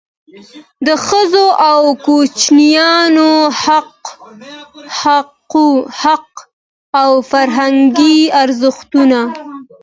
د ښځو او کوچنیانو حقوق او فرهنګي ارزښتونه.